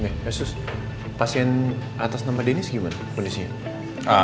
nih ya sus pasien atas nama deniz gimana kondisinya